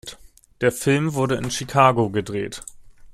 Der Film wurde in Chicago gedreht.